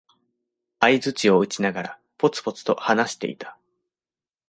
相づちを打ちながら、ぽつぽつと話していた。